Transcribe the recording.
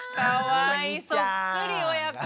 かわいいそっくり親子。